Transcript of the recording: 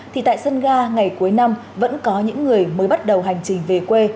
thì tại sân ga ngày cuối năm vẫn có những người mới bắt đầu hành trình về quê